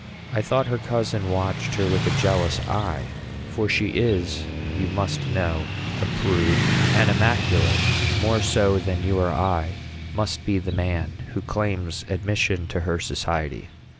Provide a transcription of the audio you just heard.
I thought her cousin watched her with a jealous eye; for she is, you must know, a prude; and immaculate more so than you or I must be the man who claims admission to her society.